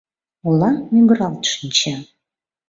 Ола мӱгыралт шинча.